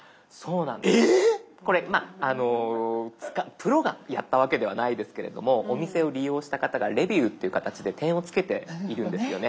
プロがやったわけではないですけれどもお店を利用した方がレビューっていう形で点をつけているんですよね。